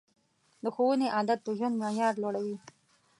د ښوونې عادت د ژوند معیار لوړوي.